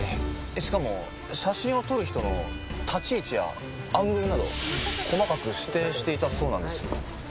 しかも写真を撮る人の立ち位置やアングルなど細かく指定していたそうなんです。